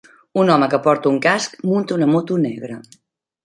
Un home que porta un casc munta una moto negra.